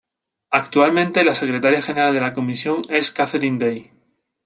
Actualmente la Secretaria General de la Comisión es Catherine Day.